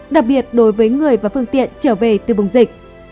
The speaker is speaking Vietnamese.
đặc biệt đối với người và phương tiện trở về từ vùng dịch